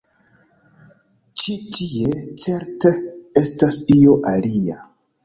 Ĉi tie, certe, estas io alia.